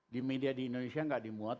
di media di indonesia nggak dimuat